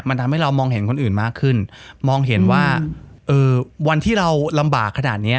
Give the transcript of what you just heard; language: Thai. มันทำให้เรามองเห็นคนอื่นมากขึ้นมองเห็นว่าเออวันที่เราลำบากขนาดเนี้ย